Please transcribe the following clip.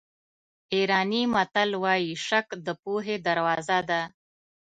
ایراني متل وایي شک د پوهې دروازه ده.